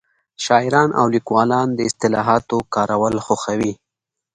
شاعران او لیکوالان د اصطلاحاتو کارول خوښوي